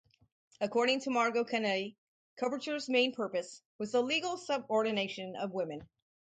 According to Margot Canaday, coverture's main purpose ... was the legal subordination of women.